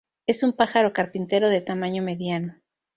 Es un pájaro carpintero de tamaño mediano.